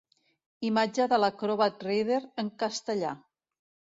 Imatge de l'Acrobat Reader en castellà.